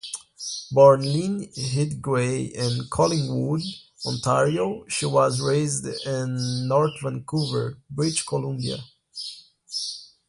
Born Lynn Ridgway in Collingwood, Ontario, she was raised in North Vancouver, British Columbia.